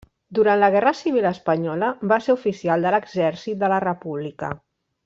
Durant la guerra civil espanyola va ser oficial de l'exèrcit de la República.